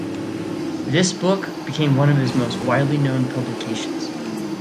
This book became one of his most widely known publications.